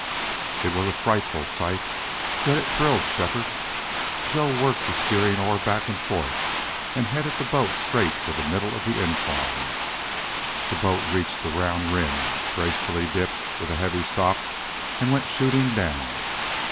It was a frightful sight, yet it thrilled Shefford. Joe worked the steering oar back and forth and headed the boat straight for the middle of the incline. The boat reached the round rim, gracefully dipped with a heavy sop, and went shooting down.